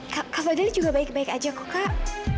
kak fadil juga baik baik aja kok kak